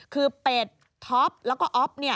คือเป็ดท็อปแล้วก็อ๊อฟเนี่ย